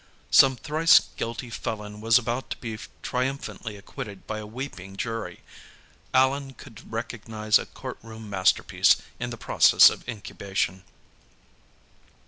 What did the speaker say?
Some thrice guilty felon was about to be triumphantly acquitted by a weeping jury; Allan could recognize a courtroom masterpiece in the process of incubation.